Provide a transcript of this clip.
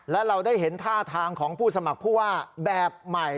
และเราได้เห็นท่าทางของผู้สมัครผู้ว่าแบบใหม่